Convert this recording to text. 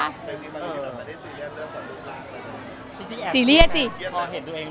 คือสิ่งที่ตอนนั้นไม่ได้ซีเรียสเรื่องกว่าลูกหลักหรือเปล่า